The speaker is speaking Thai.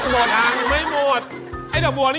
มันกินได้กึ่ง